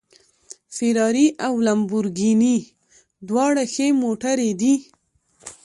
فېراري او لمبورګیني دواړه ښې موټرې دي